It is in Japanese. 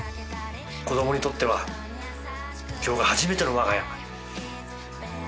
子供にとっては今日が初めてのわが家。